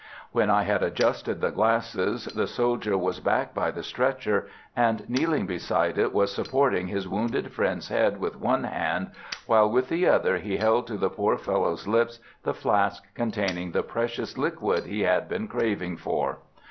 When I had adjusted the glasses, the soldier was back by the stretcher, and kneeling beside it was supporting his wounded friend's head with one hand, while with the other he held to the poor fellow's lips the flask containing the precious liquid he had been craving for.